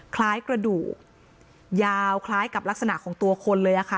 คล้ายกระดูกยาวคล้ายกับลักษณะของตัวคนเลยค่ะ